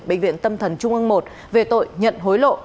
bệnh viện tâm thần trung ương một về tội nhận hối lộ